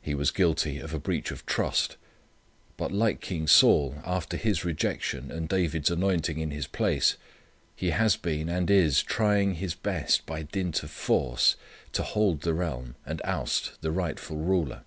He was guilty of a breach of trust. But like King Saul, after his rejection and David's anointing in his place, he has been and is trying his best by dint of force to hold the realm and oust the rightful ruler.